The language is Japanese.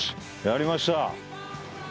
やりました。